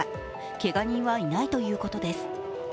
けが人はいないということです。